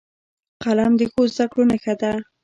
قلم د ښو زدهکړو نښه ده